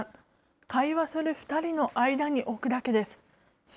会話する２人の間に置くだけです。